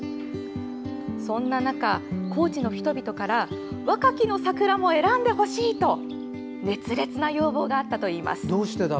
そんな中、高知の人々からワカキノサクラも選んでほしいと熱烈な要望があったといいます。